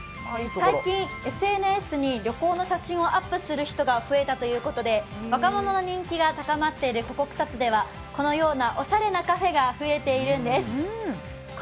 最近、ＳＮＳに旅行の写真をアップする人が増えたということで、若者の人気が高まっているここ、草津ではこのようなおしゃれなカフェが増えているんです。